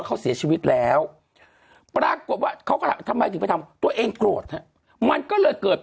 เขาเสียชีวิตแล้วปรากฏว่าเขาก็ทำไมถึงไปทำตัวเองโกรธฮะมันก็เลยเกิด